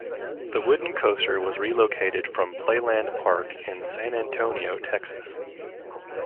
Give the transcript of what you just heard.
The wooden coaster was relocated from Playland Park in San Antonio, Texas.